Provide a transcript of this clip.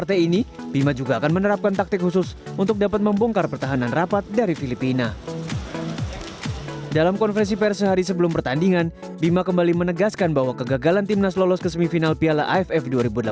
timnas indonesia kembali menegaskan bahwa kegagalan timnas lolos ke semifinal piala aff dua ribu delapan belas